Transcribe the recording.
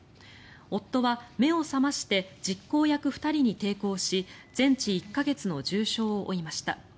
夫は目を覚まして実行役２人に抵抗し全治１か月の重傷を負いました。